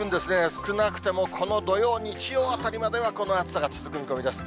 少なくてもこの土曜、日曜あたりまでは、この暑さが続く見込みです。